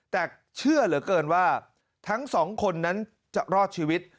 แต่เชื่อเหลือเกินว่าทั้งสองคนนั้นจะรอดชีวิต